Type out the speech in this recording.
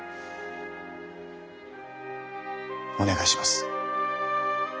お願いします。